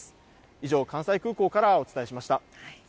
以上、関西空港からお伝えしました。